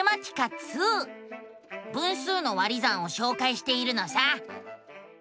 分数の「割り算」をしょうかいしているのさ。